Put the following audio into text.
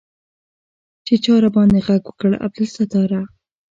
چې چا راباندې ږغ وکړ عبدالستاره.